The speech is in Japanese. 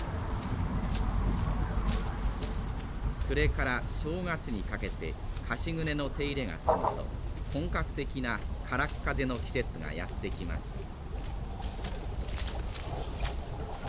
暮れから正月にかけて「かしぐね」の手入れが済むと本格的なからっ風の季節がやって来ます。